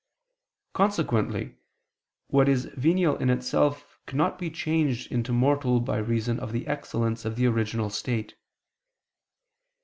Consequently what is venial in itself could not be changed into mortal by reason of the excellence of the original state.